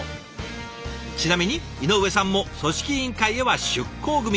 ちなみに井上さんも組織委員会へは出向組。